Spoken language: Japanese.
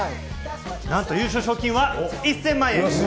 なんと優勝賞金は１０００万円。